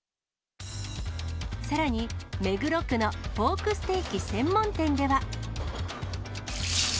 さらに目黒区のポークステーキ専門店では。